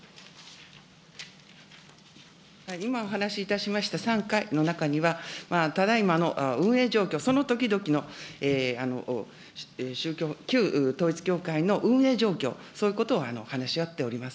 今、話いたしました３回の中には、ただ今の運営状況、その時々の旧統一教会の運営状況、そういうことを話し合っておりま